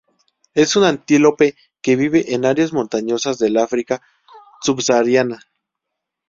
Es un antílope que vive en áreas montañosas del África subsahariana.